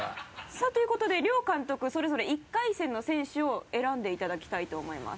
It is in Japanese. さぁということで両監督それぞれ１回戦の選手を選んでいただきたいと思います。